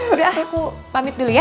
udah akhirnya aku pamit dulu ya